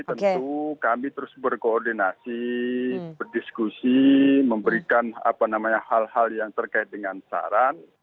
tentu kami terus berkoordinasi berdiskusi memberikan hal hal yang terkait dengan saran